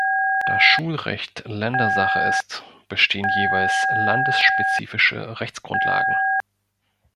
Da Schulrecht Ländersache ist, bestehen jeweils landesspezifische Rechtsgrundlagen.